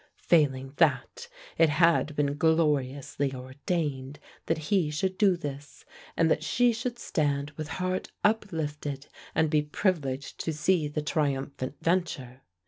Failing that, it had been gloriously ordained that he should do this, and that she should stand with heart uplifted and be privileged to see the triumphant venture.